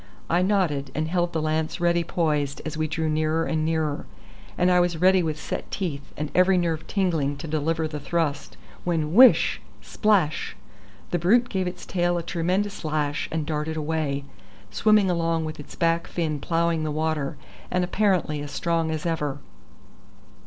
I nodded, and held the lance ready poised as we drew nearer and nearer, and I was ready with set teeth and every nerve tingling to deliver the thrust, when whish! splash! the brute gave its tail a tremendous lash, and darted away, swimming along with its back fin ploughing the water, and apparently as strong as ever.